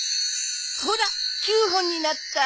ほら９本になった。